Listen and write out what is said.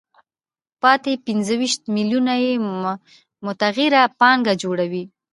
پاتې پنځه ویشت میلیونه یې متغیره پانګه جوړوي